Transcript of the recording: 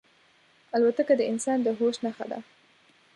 الوتکه د انسان د هوش نښه ده.